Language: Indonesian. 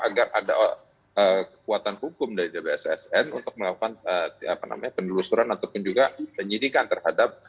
agar ada kekuatan hukum dari bssn untuk melakukan penelusuran ataupun juga penyidikan terhadap